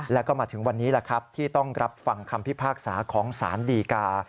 แล้วก็มาถึงวันนี้แหละครับที่ต้องรับฟังคำพิพากษาของสารดีกา